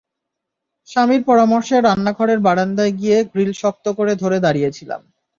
স্বামীর পরামর্শে রান্নাঘরের বারান্দায় গিয়ে গ্রিল শক্ত করে ধরে দাঁড়িয়ে ছিলাম।